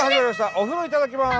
「お風呂いただきます」。